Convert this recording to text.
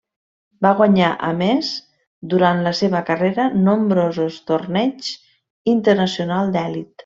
Va guanyar a més durant la seva carrera nombrosos torneigs internacionals d'elit.